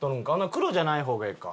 黒じゃない方がええか。